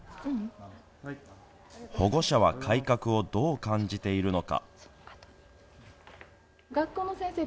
保護者は改革をどう感じているのか。